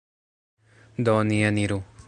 Do, ni eniru!